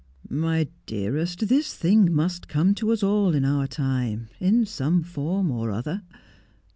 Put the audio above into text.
' My dearest, this thing must come to us all in our time, in some form or other.